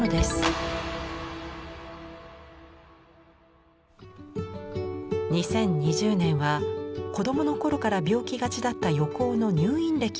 ２０２０年は子どもの頃から病気がちだった横尾の入院歴をテーマにした企画展。